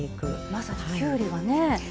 まさにきゅうりがね。